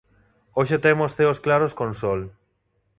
Hoxe temos ceos claros con sol.